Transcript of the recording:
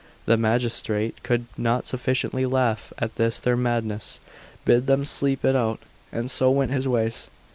The magistrate could not sufficiently laugh at this their madness, bid them sleep it out, and so went his ways.